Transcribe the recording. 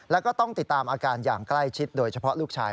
แล้วก็ต้องติดตามอาการอย่างใกล้ชิดโดยเฉพาะลูกชาย